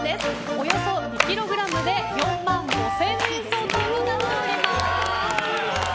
およそ２ｋｇで４万５０００円相当となっております。